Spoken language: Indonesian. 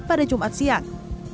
pada jumat siang